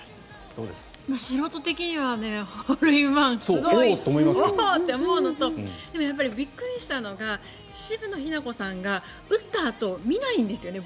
素人的にはホールインワンはおー！と思うのとびっくりしたのが渋野日向子さんが打ったあと見ないんですよね。